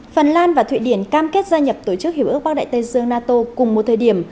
phần lan và thụy điển cam kết gia nhập tổ chức hiệp ước bắc đại tây dương nato cùng một thời điểm